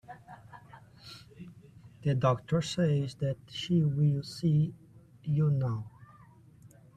The doctor says that she will see you now.